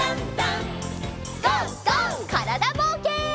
からだぼうけん。